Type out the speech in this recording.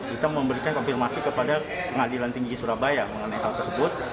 kita memberikan konfirmasi kepada pengadilan tinggi surabaya mengenai hal tersebut